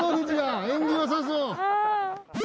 縁起よさそう。